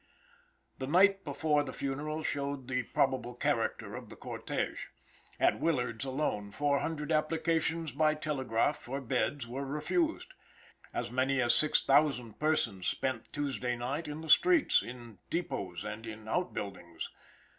The night before the funeral showed the probable character of the cortege. At Willard's alone four hundred applications by telegraph for beds were refused. As many as six thousand persons spent Tuesday night in the streets, in depots and in outbuildings.